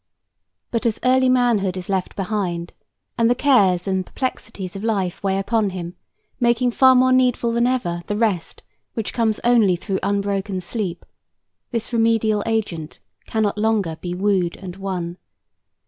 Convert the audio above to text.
But as early manhood is left behind and the cares and perplexities of life weigh upon him, making far more needful than ever the rest which comes only through unbroken sleep, this remedial agent cannot longer be wooed and won.